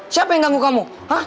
siapa yang ganggu kamu